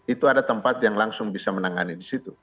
itu ada tempat yang langsung bisa menangani di situ